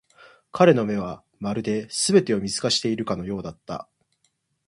彼の目は、まるで全てを見透かしているかのようだった。